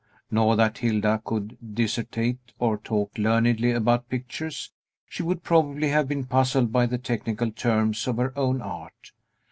Not that Hilda could dissertate, or talk learnedly about pictures; she would probably have been puzzled by the technical terms of her own art.